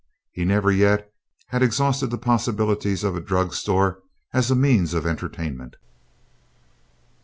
He never yet had exhausted the possibilities of a drug store as a means of entertainment.